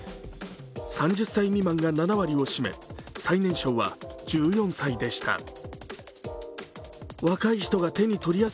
３０歳未満が７割を占め最年少は１４歳でした。